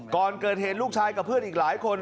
ก่อนเกิดเหตุลูกชายกับเพื่อนอีกหลายคน